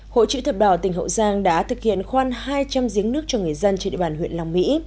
hội trị thập đảo tỉnh hậu giang đã thực hiện khoan hai trăm linh giếng nước cho người dân trên địa bàn huyện lòng mỹ